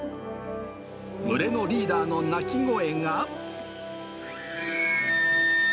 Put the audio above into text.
群れのリーダーの鳴き声が。